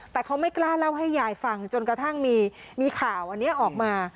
แต่เขาไม่กล้าเล่าให้ยายฟังจนกระทั่งมีข่าวอันนี้ออกมา